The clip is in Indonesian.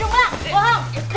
bukan itulah satu misi